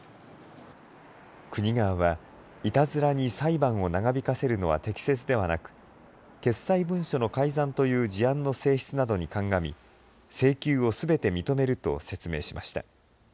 国側はいたずらに裁判を長引かせるのは適切ではなく、決裁文書の改ざんという事案の性質などに鑑み、請求をすべて認めると説明しました。